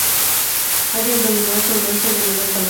Area abdominal con manchas de menor tamaño.